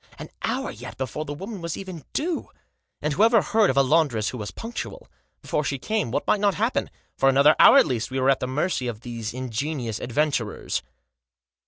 An hour yet before the woman was even due ! And whoever heard of a laundress who was punctual? Before she came what might not happen? For another hour, at least, we were at the mercy of these ingenious adventurers.